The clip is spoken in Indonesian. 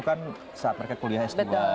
kan saat mereka kuliahnya setelah